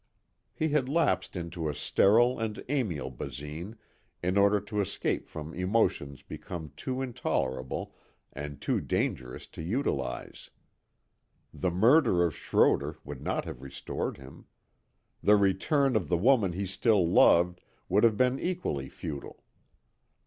He had lapsed into a sterile and amiable Basine in order to escape from emotions become too intolerable and too dangerous to utilize. The murder of Schroder would not have restored him. The return of the woman he still loved would have been equally futile.